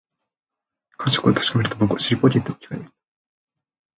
感触を確かめると、僕は尻ポケットに機械を入れた